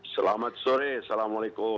selamat sore assalamualaikum